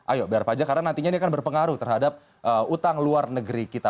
ayo bayar pajak karena nantinya ini akan berpengaruh terhadap utang luar negeri kita